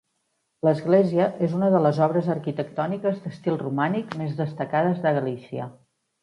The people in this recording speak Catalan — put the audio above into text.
L'església és una de les obres arquitectòniques d'estil romànic més destacades de Galícia.